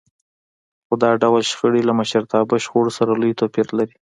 خو دا ډول شخړې له مشرتابه شخړو سره لوی توپير لري.